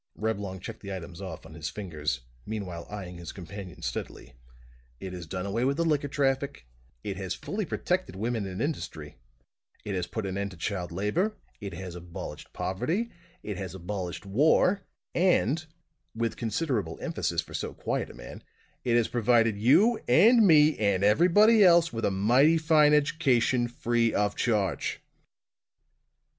Reblong checked the items off on his fingers, meanwhile eying his companion steadily: "It has done away with the liquor traffic; it has fully protected women in industry; it has put an end to child labor; it has abolished poverty; it has abolished war; and" with considerable emphasis for so quiet a man "it has provided you and me and everybody else with a mighty fine education, free of charge!"